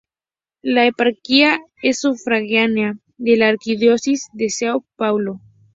La eparquía es sufragánea de la arquidiócesis de São Paulo.